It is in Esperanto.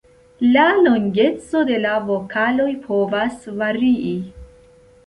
La longeco de la vokaloj povas varii.